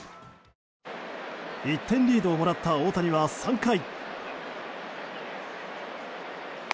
１点リードをもらった大谷は３回。